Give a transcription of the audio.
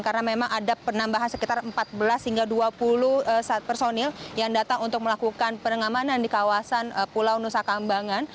karena memang ada penambahan sekitar empat belas hingga dua puluh personil yang datang untuk melakukan pengamanan di kawasan pulau nusa kambangan